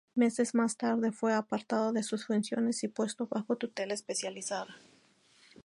Meses más tarde fue apartado de sus funciones y puesto bajo tutela especializada.